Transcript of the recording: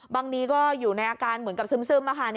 บางทีก็อยู่ในอาการเหมือนกับซึม